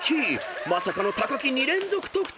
まさかの木２連続得点］